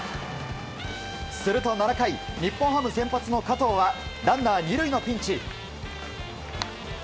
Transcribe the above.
すると、７回日本ハム先発の加藤はランナー２塁のピンチ。